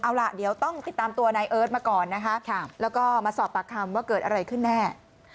เอาล่ะเดี๋ยวต้องติดตามตัวนายเอิร์ทมาก่อนนะคะแล้วก็มาสอบปากคำว่าเกิดอะไรขึ้นแน่